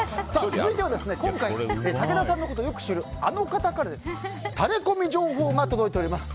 続いては今回武田さんのことをよく知るあの方からタレコミ情報が届いております。